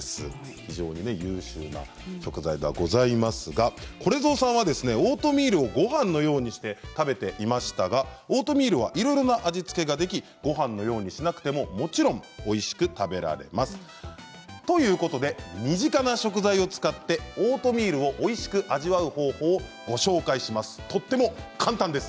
非常に優秀な食材ではございますがこれぞうさんはオートミールをごはんのようにして食べていましたがオートミールはいろいろな味付けができ、ごはんのようにしなくても、もちろんおいしく食べられます。ということで身近な食材を使ってオートミールをおいしく味わう方法をご紹介します。